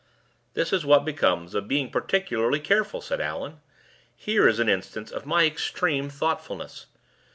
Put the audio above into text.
"This is what comes of being particularly careful," said Allan; "here is an instance of my extreme thoughtfulness.